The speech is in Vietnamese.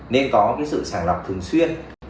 nên có sự sàng lọc thường xuyên